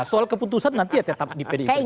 soal keputusan nanti ya tetap di pdi perjuangan